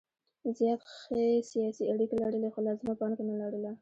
زیات ښې سیاسي اړیکې لرلې خو لازمه پانګه نه لرله.